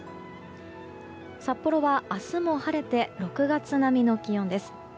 札幌は明日も晴れて６月並みの気温です。